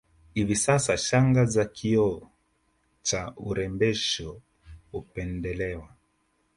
Hivi sasa shanga za kioo cha urembesho hupendelewa